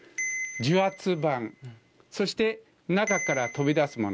そして中から飛び出すもの。